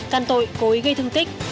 can tội cố ý gây thương tích